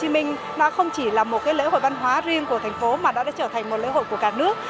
mình nó không chỉ là một lễ hội văn hóa riêng của thành phố mà đã trở thành một lễ hội của cả nước